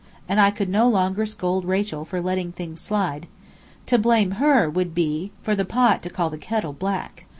And I could no longer scold Rachel for "letting things slide." To blame her would be for the pot to call the kettle black.